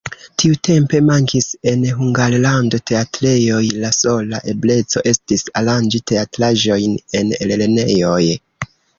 Tiutempe mankis en Hungarlando teatrejoj, la sola ebleco estis aranĝi teatraĵojn en lernejoj.